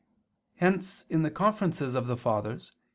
Hence in the Conferences of the Fathers (Coll.